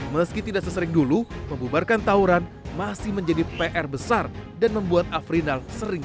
meski tidak sesering dulu pembubatan ini tidak terjadi dengan kebanyakan orang orang yang berpikir pikir ini adalah kriminalitas